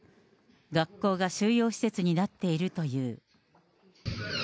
学校が収容施設になっているという。